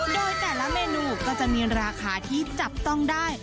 โดยแต่ละเมนูก็จะมีราคาที่จับต้องได้